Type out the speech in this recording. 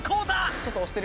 ちょっとおしてる。